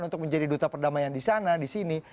untuk menjadi duta perdamaian di sana di sini